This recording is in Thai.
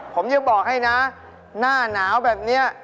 ผมยังบอกให้นะหน้าหนาวแบบนี้